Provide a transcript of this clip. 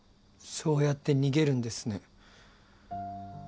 そうやって逃げるんですね。